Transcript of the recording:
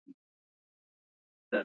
افغانستان په ښارونه باندې تکیه لري.